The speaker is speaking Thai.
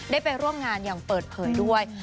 ไปร่วมงานอย่างเปิดเผยด้วย